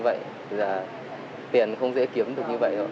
bây giờ tiền không dễ kiếm được